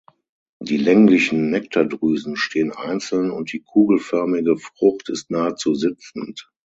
Die länglichen Nektardrüsen stehen einzeln und die kugelförmige Frucht ist nahezu sitzend.